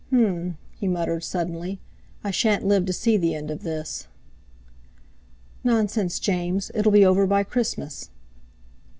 "H'm!" he muttered suddenly, "I shan't live to see the end of this." "Nonsense, James! It'll be over by Christmas."